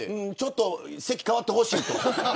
ちょっと席、変わってほしいと。